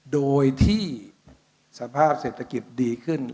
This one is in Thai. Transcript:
โดยที่สภาพเศรษฐกิจดีขึ้น